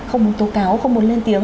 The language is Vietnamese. không muốn tố cáo không muốn lên tiếng